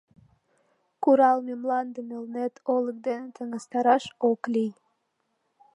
— Куралме мландым Элнет олык дене таҥастараш ок лий.